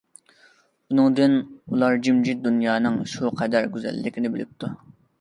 بۇنىڭدىن ئۇلار جىمجىت دۇنيانىڭ شۇ قەدەر گۈزەللىكىنى بىلىپتۇ.